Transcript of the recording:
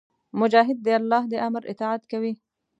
مجاهد د الله د امر اطاعت کوي.